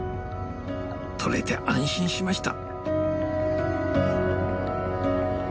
撮れて安心しました。